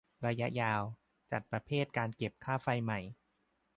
ระยะยาว จัดประเภทการเก็บค่าไฟใหม่